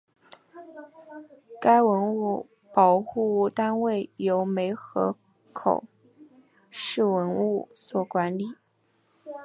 该文物保护单位由梅河口市文物所管理。